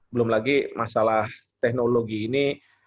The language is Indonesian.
belum lagi masalah teknologi ini